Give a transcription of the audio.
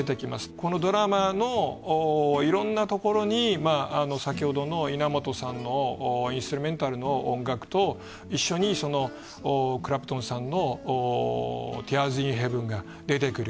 このドラマのいろんなところに先ほどの稲本さんのインストルメンタルの音楽と一緒にクラプトンさんの『ティアーズ・イン・ヘヴン』が出てくる。